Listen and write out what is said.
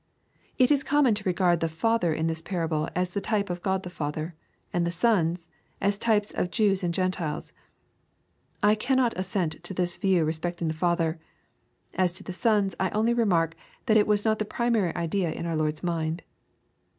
It is common to regard the " father" in this parable as the type of Gk)d the Father ; and the sons, as types of Jews and Gkntiles. I cannot assent to this view respecting the father. As to the sons, I only remark, that it was not the primary idea in our Lord's mind.